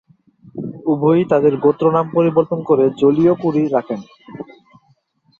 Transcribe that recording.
উভয়েই তাদের গোত্র নাম পরিবর্তন করে জোলিও-ক্যুরি রাখেন।